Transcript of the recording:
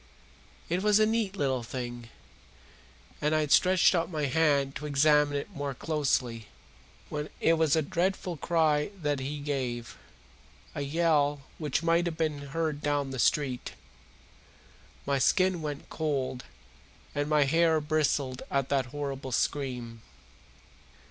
It was a neat little thing, and I had stretched out my hand to examine it more closely, when It was a dreadful cry that he gave a yell which might have been heard down the street. My skin went cold and my hair bristled at that horrible scream.